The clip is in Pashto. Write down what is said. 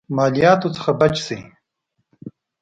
مالياتو څخه بچ شي.